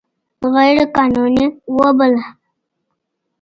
غیر قانوني وبلله.